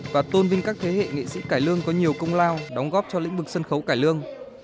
và tôn vinh các thế hệ nghệ sĩ cải lương có nhiều công lao đóng góp cho lĩnh vực sân khấu cải lương